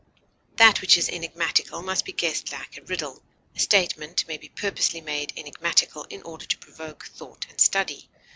That which is enigmatical must be guessed like a riddle; a statement may be purposely made enigmatical in order to provoke thought and study.